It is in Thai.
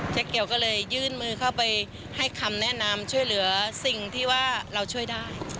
เกี่ยวก็เลยยื่นมือเข้าไปให้คำแนะนำช่วยเหลือสิ่งที่ว่าเราช่วยได้